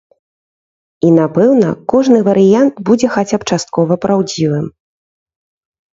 І, напэўна, кожны варыянт будзе хаця б часткова праўдзівым.